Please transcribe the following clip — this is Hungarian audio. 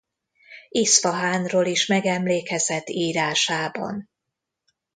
Iszfahánról is megemlékezett írásában.